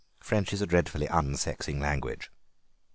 French is a dreadfully unsexing language."